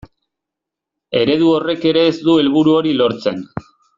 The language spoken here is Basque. Eredu horrek ere ez du helburu hori lortzen.